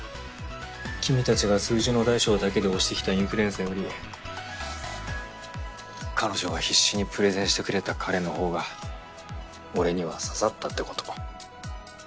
君たちが数字の大小だけで推してきたインフルエンサーより彼女が必死にプレゼンしてくれた彼の方が俺には刺さったってこと。